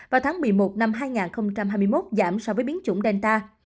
vào tháng một mươi một năm hai nghìn hai mươi một giảm so với biến chủng delta